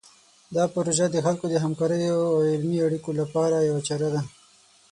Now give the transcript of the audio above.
دا پروژه د خلکو د همکاریو او علمي اړیکو لپاره یوه چاره ده.